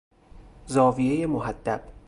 زاویهی محدب